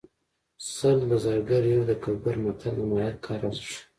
سل د زرګر یو د ګګر متل د ماهر کار ارزښت ښيي